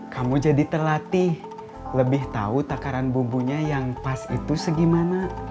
kamu jadi terlatih lebih tahu takaran bumbunya yang pas itu segimana